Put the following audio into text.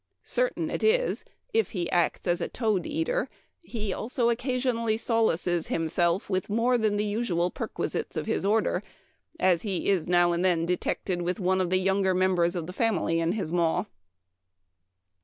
Certain it is. if he aets as toad eater, he occasionally solaees himself with more than the usual perquisites of his order, as he is now and then detected with one o\ the younger members of the family in his maw."